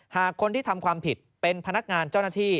หากคนที่ทำความผิดเป็นพนักงานเจ้าหน้าที่